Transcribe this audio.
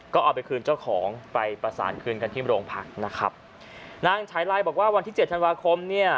ก็เอาไปคืนเจ้าของไปประสานคืนกันที่โรงพักนะครับนางฉายลายบอกว่าวันที่เจ็ดธันวาคมเนี่ย